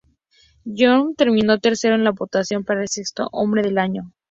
Ginóbili terminó tercero en la votación para el Sexto Hombre del Año.